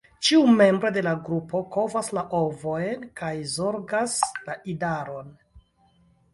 Ĉiu membro de la grupo kovas la ovojn kaj zorgas la idaron.